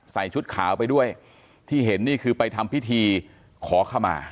ชุดขาวไปด้วยที่เห็นนี่คือไปทำพิธีขอขมา